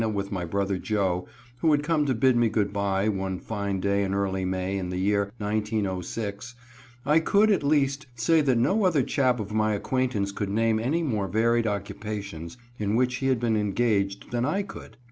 with my brother Joe, who had come to bid me good bye, one fine day in early May, in the year 1906, I could, at least, say that no other chap of my acquaintance could name any more varied occupations in which he had been engaged than I could.